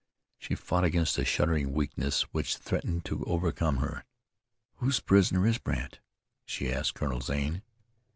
She fought against a shuddering weakness which threatened to overcome her. "Whose prisoner is Brandt?" she asked of Colonel Zane.